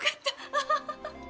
アハハハ。